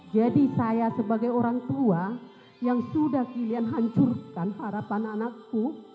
jadi saya sebagai orang tua yang sudah kalian hancurkan harapan anakku